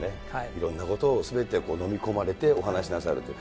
いろんなことをすべて飲み込まれてお話しなさると。